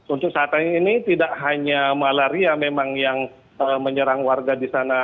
untuk saat ini tidak hanya malaria memang yang menyerang warga di sana